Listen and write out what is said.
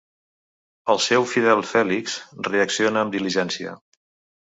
El seu fidel Fèlix reacciona amb diligència.